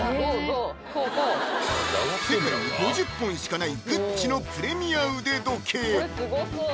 世界に５０本しかないグッチのプレミア腕時計